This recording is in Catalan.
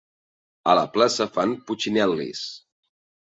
A la plaça fan putxinel·lis.